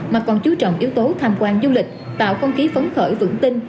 mà còn chú trọng yếu tố tham quan du lịch tạo không khí phấn khởi vững tin